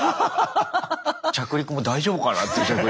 着陸も大丈夫かなって。